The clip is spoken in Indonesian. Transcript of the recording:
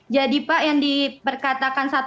jadi pak yang diperkatakan